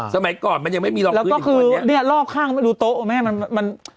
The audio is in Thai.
สมัยก่อนมันยังไม่มีรองพื้นอีกวันนี้แล้วก็คือเนี่ยรอบข้างดูโต๊ะแม่มันมัน